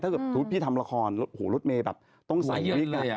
ถ้าเกิดทุกที่พี่ทำละครโหรถเมย์ต้องใส่เยอะเลย